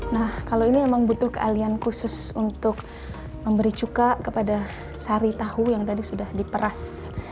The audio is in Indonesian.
nah kalau ini memang butuh keahlian khusus untuk memberi cuka kepada sari tahu yang tadi sudah diperas